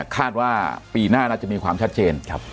คาดว่าปีหน้าน่าจะมีความชัดเจน